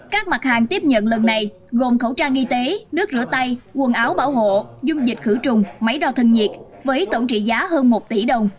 các mặt hàng tiếp nhận lần này gồm khẩu trang y tế nước rửa tay quần áo bảo hộ dung dịch khử trùng máy đo thân nhiệt với tổng trị giá hơn một tỷ đồng